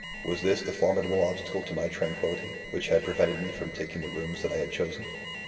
"Was this the formidable obstacle to my tranquillity, which had prevented me from taking the rooms that I had chosen?